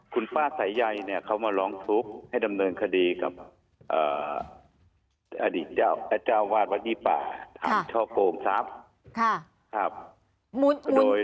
คุณป้าสายใยเนี่ยเขามาร้องทุกข์ให้ดำเนินคดีกับอดีตเจ้าวาดวัดยี่ป่าฐานช่อโกงทรัพย์